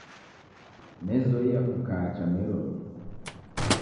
Nezoiya kukaa cha Mairobi